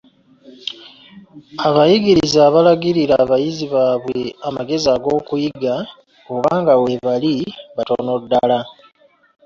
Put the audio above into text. Abayigiriza abalagirira abayizi baabwe amagezi ag'okuyiga, obanga weebali, batono ddala.